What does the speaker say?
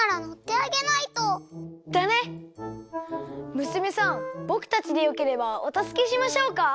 むすめさんぼくたちでよければおたすけしましょうか？